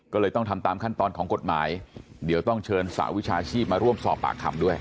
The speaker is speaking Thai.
ก็เลยต้องทำตามขั้นตอนของกฎหมายเดี๋ยวต้องเชิญสหวิชาชีพมาร่วมสอบปากคำด้วย